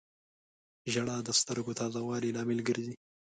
• ژړا د سترګو تازه والي لامل ګرځي.